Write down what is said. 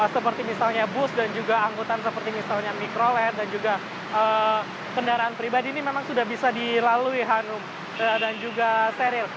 seperti misalnya bus dan juga angkutan seperti misalnya mikrolet dan juga kendaraan pribadi ini memang sudah bisa dilalui hanum dan juga steril